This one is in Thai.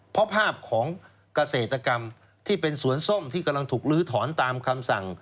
เพราะภาพของเกษตรกรรมที่เป็นสวนส้มที่กำลังถูกลื้อถอนตามคำสั่ง